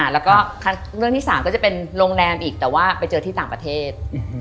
แล้วก็เรื่องที่๓ก็จะเป็นโรงแรมอีกแต่ว่าไปเจอที่ต่างประเทศ